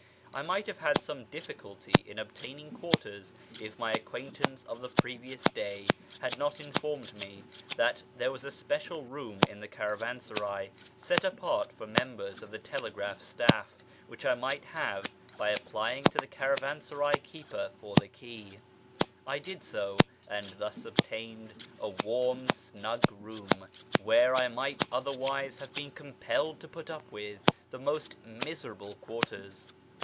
I might have had some difficulty in obtaining quarters if my acquaintance of the previous day liad not informed me tliat there was a special room in the caravansaray, set a])ait for members of the telegraph staff, which I might have l)y apply ing to the caravansaray keeper for the key. 1 did so, and thus obtained a warm, snug room, where I might otherwise have been compelled to put up with the most miserable quarters.